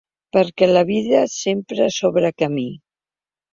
Perquè la vida sempre s'obre camí.